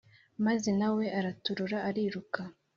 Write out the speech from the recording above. maze nawe araturura ariruka